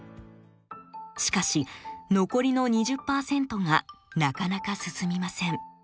しかし残りの２０％がなかなか進みません。